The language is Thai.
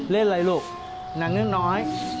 เล่นอะไรลูกหนังนึกน้อย